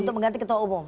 untuk mengganti ketua umum